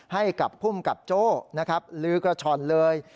ให้กับภูมิกับโจ้นะครับลือกระช่อนเลย